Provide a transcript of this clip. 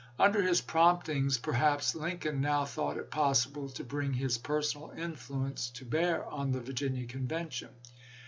Under his prompting, perhaps, Lincoln now thought it possible to bring his per sonal influence to bear on the Virginia Convention.